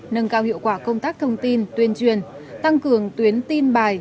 nâng cao hiệu quả công tác thông tin tuyên truyền tăng cường tuyến tin bài